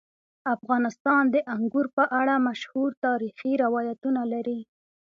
افغانستان د انګور په اړه مشهور تاریخی روایتونه لري.